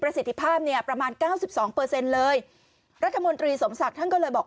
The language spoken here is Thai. ประสิทธิภาพเนี่ยประมาณ๙๒เลยรัฐมนตรีสมศักดิ์ท่านก็เลยบอก